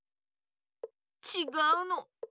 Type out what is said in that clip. ちがうの。